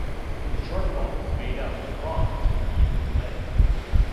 The shortfall was made up with bronze and even lead.